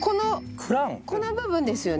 このこの部分ですよね？